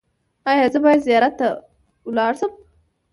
ایا زه باید زیارت ته لاړ شم؟